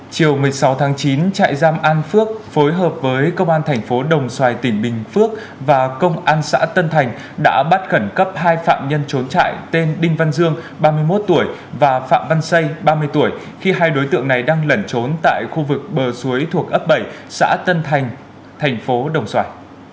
chiều một mươi sáu tháng chín trại giam an phước phối hợp với công an thành phố đồng xoài tỉnh bình phước và công an xã tân thành đã bắt khẩn cấp hai phạm nhân trốn trại tên đinh văn dương ba mươi một tuổi và phạm văn xây ba mươi tuổi khi hai đối tượng này đang lẩn trốn tại khu vực bờ suối thuộc ấp bảy xã tân thành thành phố đồng xoài